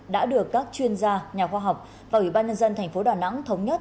đã được các chuyên gia nhà khoa học và ủy ban nhân dân tp đà nẵng thống nhất